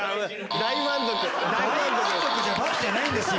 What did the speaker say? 大満足じゃ「×」じゃないんですよ